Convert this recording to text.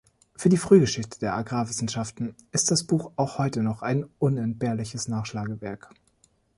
Für die Frühgeschichte der Agrarwissenschaften ist das Buch auch heute noch ein unentbehrliches Nachschlagewerk.